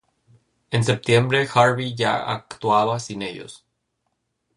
En septiembre, Harvey ya actuaba sin ellos.